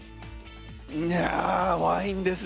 ワインです。